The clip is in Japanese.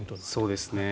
そうですね。